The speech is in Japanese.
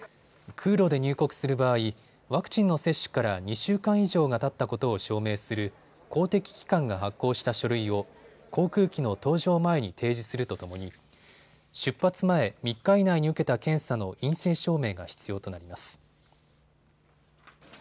空路で入国する場合、ワクチンの接種から２週間以上がたったことを証明する公的機関が発行した書類を航空機の搭乗前に提示するとともに出発前３日以内に受けた検査の陰性証明が必要となります。